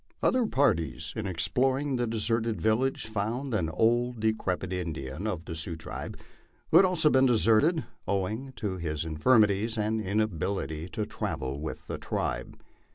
Oilier parties in exploring the deserted village found an old, decrepit Indian of the Sioux tribe, who also had been deserted, owing to his infirmities and inability to travel with the tribe.